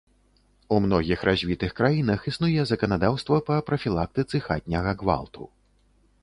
У многіх развітых краінах існуе заканадаўства па прафілактыцы хатняга гвалту.